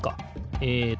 えっと